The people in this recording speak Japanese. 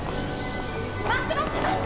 待って待って待って！